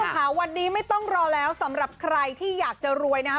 ค่ะวันนี้ไม่ต้องรอแล้วสำหรับใครที่อยากจะรวยนะฮะ